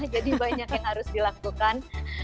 jadi banyak yang harus dilakukan